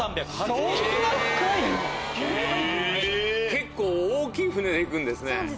結構大きい船で行くんですね。